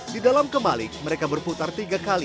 di dalam kebalik mereka berputar tiga kali